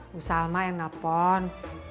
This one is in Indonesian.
busa mbak yang telepon